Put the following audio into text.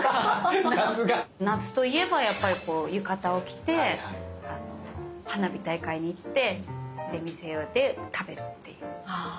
さすが！夏といえばやっぱりこう浴衣を着て花火大会に行って出店で食べるっていう。